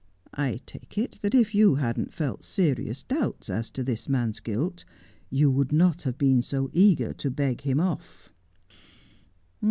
I take it that if you hadn't felt serious doubts as to this man's guilt you would not have been so eager to beg him off.'